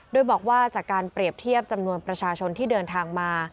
โดยบอกว่าจากการเปรียบเทียบจำนวนประชาชนที่เดินทางมา